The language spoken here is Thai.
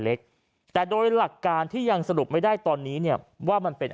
เล็กแต่โดยหลักการที่ยังสรุปไม่ได้ตอนนี้เนี่ยว่ามันเป็น